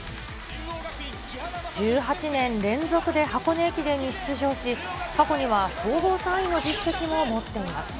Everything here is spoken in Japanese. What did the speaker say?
１８年連続で箱根駅伝に出場し、過去には総合３位の実績も持っています。